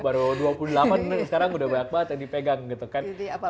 baru dua puluh delapan sekarang udah banyak banget yang dipegang gitu kan